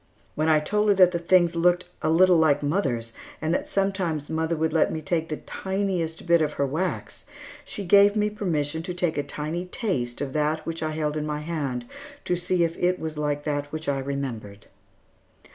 When I told her that the things looked a little like mother's and that sometimes mother let me take the tiniest bit of her wax, she gave me permission to take a tiny taste of that which I held in my hand to see if it was like that which I remembered.